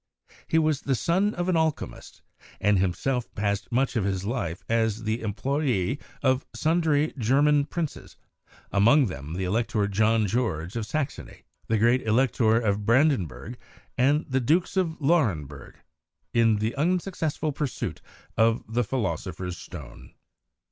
He was the son of an alchemist, and himself passed much of his life as the employee of sundry German princes (among them the Elector John George of Saxony, the great Elector of Brandenburg, and the Dukes of Lauenburg) in the unsuc cessful pursuit of the Philosopher's Stone.